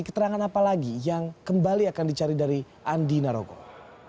keterangan apa lagi yang kembali akan dicari dari andi narogong